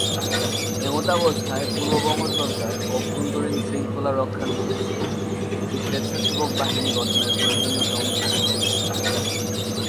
এমতাবস্থায় পূর্ববঙ্গ সরকার অভ্যন্তরীণ শৃঙ্খলা রক্ষার উদ্দেশ্যে একটি স্বেচ্ছাসেবক বাহিনী গঠনের প্রয়োজনীয়তা অনুভব করে।